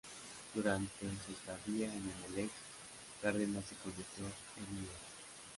Durante su estadía en Emelec, Cárdenas se convirtió en ídolo.